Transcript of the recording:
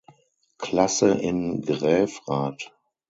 Klasse in Gräfrath.